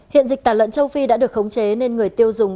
hiện dịch tả lợn châu phi đã được khống chế nên người tiêu dùng